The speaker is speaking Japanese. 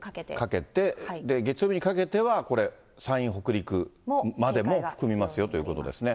かけて、で、月曜日にかけてはこれ、山陰、北陸までも含みますよということですね。